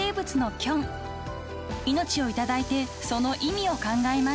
［命を頂いてその意味を考えます］